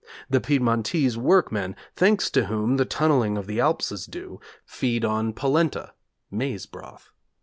The Piedmontese workmen, thanks to whom the tunnelling of the Alps is due, feed on polenta, (maize broth).